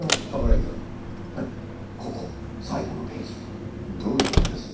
ここ最後のページ。どういう事です？